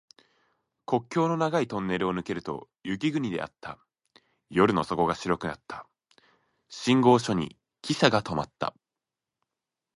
国境の長いトンネルを抜けると雪国であった。夜の底が白くなった。信号所にきしゃが止まった。